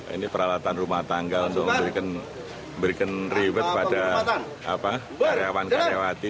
ini peralatan rumah tangga untuk memberikan reward pada karyawan karyawati